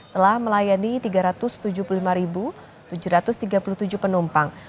telah melayani tiga ratus tujuh puluh lima penumpang